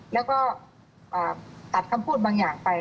แล้วก็ตัดคำพูดบางอย่างไป